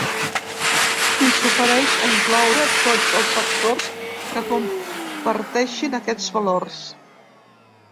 I s’ofereix a incloure “tots els actors que comparteixin aquests valors”.